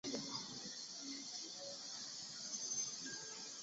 西格弗里德一世。